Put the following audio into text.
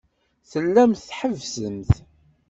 Tellamt tḥebbsemt.